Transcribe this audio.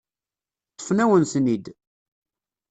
Ṭṭfen-awen-ten-id.